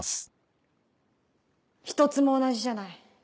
１つも同じじゃない。